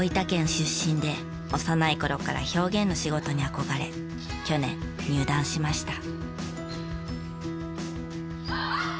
出身で幼い頃から表現の仕事に憧れ去年入団しました。